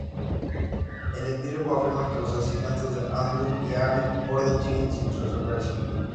El epílogo afirma que los asesinatos de Andrew y Abby Borden siguen sin resolverse.